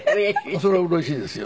そりゃうれしいですよ。